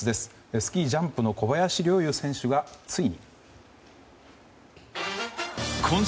スキージャンプの小林陵侑選手がついに。